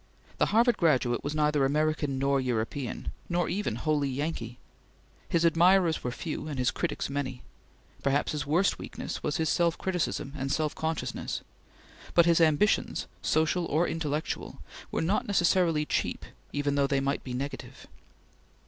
The Harvard graduate was neither American nor European, nor even wholly Yankee; his admirers were few, and critics his many; perhaps his worst weakness was his self criticism and self consciousness; but his ambitions, social or intellectual, were necessarily cheap even though they might be negative.